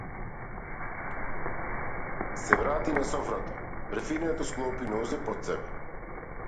Се врати на софата, префинето склопи нозе под себе.